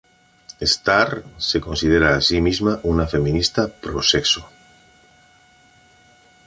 Starr se considera a sí misma una feminista pro-sexo.